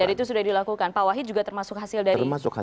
dan itu sudah dilakukan pak wahid juga termasuk hasil dari open bidding ya